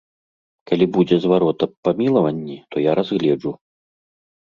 Калі будзе зварот аб памілаванні, то я разгледжу.